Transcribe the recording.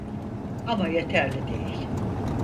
Ama yeterli değil.